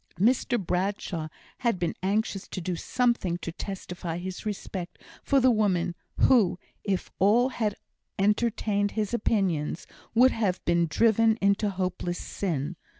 Mr Bradshaw had been anxious to do something to testify his respect for the woman, who, if all had entertained his opinions, would have been driven into hopeless sin.